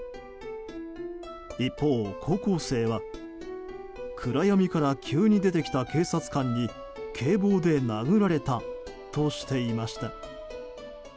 一方、高校生は暗闇から急に出てきた警察官に警棒で殴られたとしていました。